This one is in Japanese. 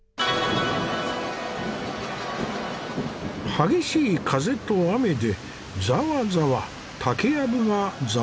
激しい風と雨でざわざわ竹やぶがざわめいている。